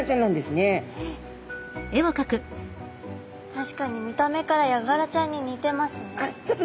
確かに見た目からヤガラちゃんに似てますね。